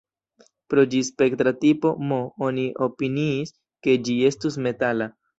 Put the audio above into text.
Pro ĝi spektra tipo M, oni opiniis, ke ĝi estus metala.